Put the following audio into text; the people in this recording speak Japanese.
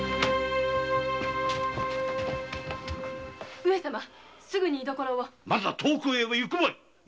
上様すぐに居所をまだ遠くへは行くまい。